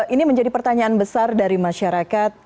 ini menjadi pertanyaan besar dari masyarakat